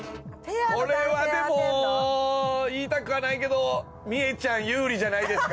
これはでも言いたくはないけどみえちゃん有利じゃないですか？